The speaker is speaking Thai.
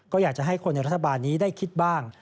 ก็อยากจะให้คนในรัฐบาลนี้ได้คิดบ้าง